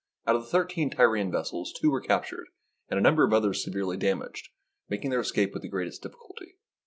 Out of the thirteen Tyrian vessels two were captured and a number of others severely damaged, making their escape with the greatest difficulty.